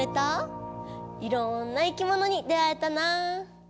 いろんないきものに出会えたな。